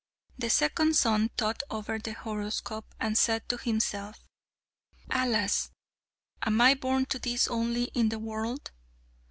The second son thought over the horoscope, and said to himself: "Alas! am I born to this only in the world?